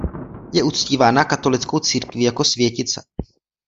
Je uctívána katolickou církví jako světice.